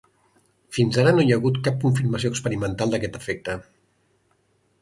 Fins ara, no hi ha hagut cap confirmació experimental d'aquest efecte.